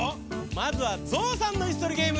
まずはゾウさんのいすとりゲーム。